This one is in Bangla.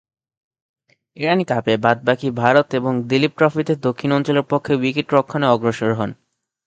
ইরানী কাপে বাদ-বাকী ভারত এবং দিলীপ ট্রফিতে দক্ষিণ অঞ্চলের পক্ষে উইকেট-রক্ষণে অগ্রসর হন।